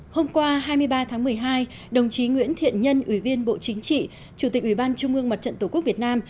hôm qua hai mươi ba tháng một mươi hai đồng chí nguyễn thiện nhân ủy viên bộ chính trị chủ tịch ủy ban trung ương mặt trận tổ quốc việt nam